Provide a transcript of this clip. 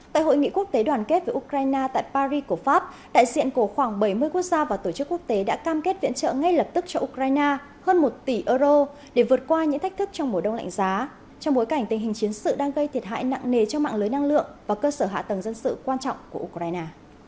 tại hội nghị quốc tế đoàn kết với ukraine tại paris của pháp đại diện của khoảng bảy mươi quốc gia và tổ chức quốc tế đã cam kết viện trợ ngay lập tức cho ukraine hơn một tỷ euro để vượt qua những thách thức trong mùa đông lạnh giá trong bối cảnh tình hình chiến sự đang gây thiệt hại nặng nề cho mạng lưới năng lượng và cơ sở hạ tầng dân sự quan trọng của ukraine